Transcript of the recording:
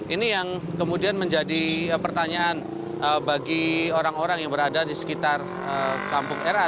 ini yang kemudian menjadi pertanyaan bagi orang orang yang berada di sekitar kampung ra